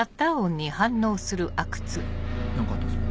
何かあったんですか？